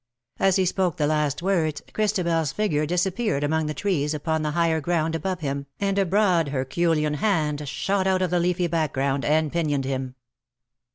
As he spoke the last words, ChristabeFs figure disappeared among the trees upon the higher ground above him, and a broad herculean hand shot out of the leafy background, and pinioned him.